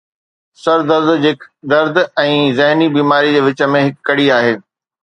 سر درد جي درد ۽ ذهني بيماري جي وچ ۾ هڪ ڪڙي آهي